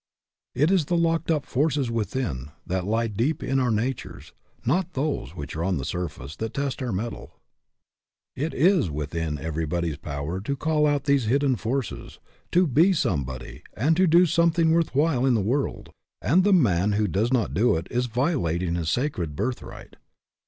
It is the locked up forces within, that lie deep in our natures, not those which are on the surface, that test our mettle. It is within everybody's power to call out these hidden forces, to be somebody and to do something worth while in the world, and the man who does not do it is violating his sacred birth right.